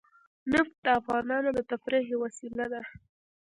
نفت د افغانانو د تفریح یوه وسیله ده.